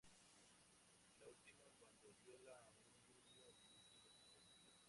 Y la última cuando viola a un niño en el último episodio.